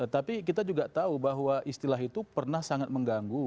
tapi kita juga tahu bahwa istilah itu pernah sangat mengganggu